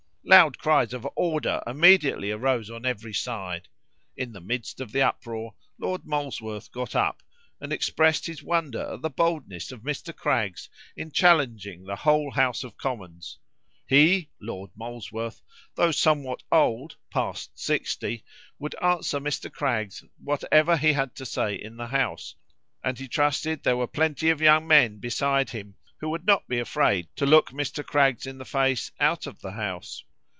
Loud cries of order immediately arose on every side. In the midst of the uproar, Lord Molesworth got up, and expressed his wonder at the boldness of Mr. Craggs in challenging the whole House of Commons. He, Lord Molesworth, though somewhat old, past sixty, would answer Mr. Craggs whatever he had to say in the House, and he trusted there were plenty of young men beside him, who would not be afraid to look Mr. Craggs in the face out of the House.